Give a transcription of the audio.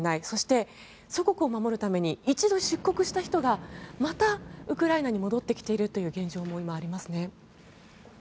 そして祖国を守るために１度出国した人がまたウクライナに戻ってきているという現状も今、ありますね。